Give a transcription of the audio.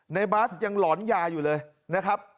บาสยังหลอนยาอยู่เลยนะครับ